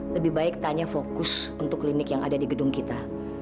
lebih baik tanya fokus untuk klinik yang ada di gedung kita